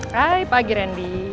hai pagi randi